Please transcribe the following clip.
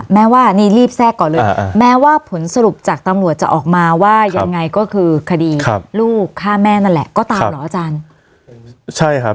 แม้ว่าผลสรุปจากตำรวจจะออกมาว่ายังไงก็คือคดีลูกฆ่าแม่นั่นแหละก็ตามเหรออาจารย์